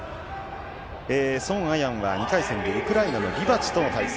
ソン・アヤンは２回戦でウクライナのリバチとの対戦。